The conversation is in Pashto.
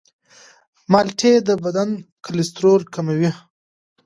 مالټې د بدن کلسترول کموي.